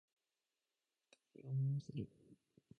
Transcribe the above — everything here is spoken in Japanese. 恥ずかしい思いをする